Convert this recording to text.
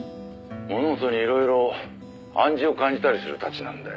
「物事にいろいろ暗示を感じたりする質なんだよ」